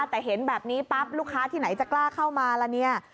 แต่เห็นแบบนี้ปั๊บลูกค้าที่ไหนจะกล้าเข้ามาล่ะเนี่ย